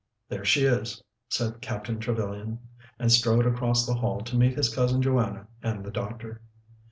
"There she is," said Captain Trevellyan, and strode across the hall to meet his Cousin Joanna and the doctor.